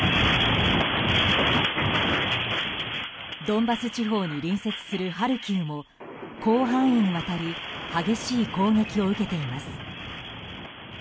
ドンバス地方に隣接するハルキウも広範囲にわたり激しい攻撃を受けています。